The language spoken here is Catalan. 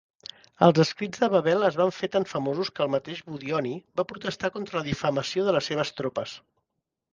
Els escrits de Babel es van fer tan famosos que el mateix Budionny va protestar contra la "difamació" de les seves tropes.